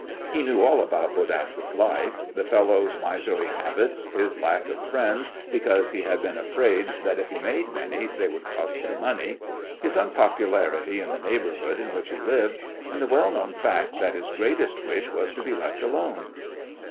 He knew all about Bodasse's life the fellow's miserly habits; his lack of friends because he had been afraid that if he made many they might cost him money; his unpopularity in the neighbourhood in which he lived, and the well known fact that his greatest wish was to be left alone.